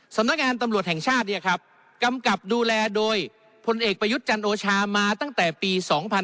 สำนักงานตำรวจแห่งชาติกำกับดูแลโดยพลเอกประยุทธ์จันโอชามาตั้งแต่ปี๒๕๕๙